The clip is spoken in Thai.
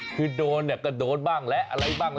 ถือโดนก็โดนบ้างอะไรบ้าง